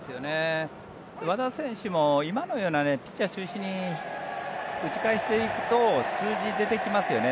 和田選手も今のようなピッチャー中心に打ち返していくと数字が出てきますよね。